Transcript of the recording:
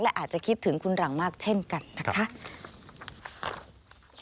และอาจจะคิดถึงคุณหลังมากเช่นกันนะคะ